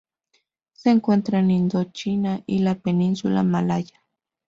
Se encuentra en Indochina y la península malaya.